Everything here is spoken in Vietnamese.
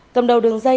cầm đầu đường dây